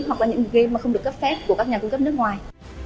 hoặc là những game mà không được cấp phép của các nhà cung cấp nước ngoài